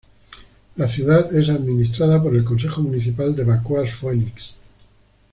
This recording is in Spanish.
La ciudad es administrada por el Consejo municipal de Vacoas-Phoenix.